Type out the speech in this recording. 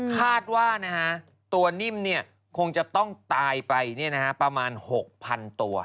คาดว่าตัวนิ่มคงจะต้องตายไปประมาณ๖๐๐๐ตัว